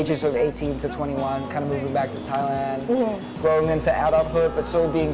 berpindah kembali ke thailand berkembang ke kembang